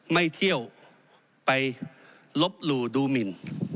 ไม่เที่ยวไปลบหลู่ดูหมิน